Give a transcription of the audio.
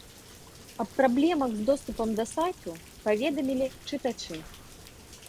Аб праблемах з доступам да сайту паведамілі чытачы.